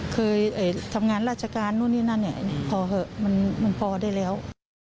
เคยทำงานราชการนู่นนี่นั่นเนี่ยพอเหอะมันพอได้แล้ว